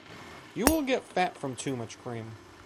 You will get fat from to much cream!